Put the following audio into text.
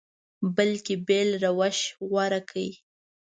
بلکل بېل روش غوره کړ.